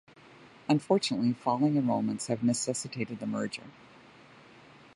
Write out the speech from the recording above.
Unfortunately, falling enrolments have necessitated the merger.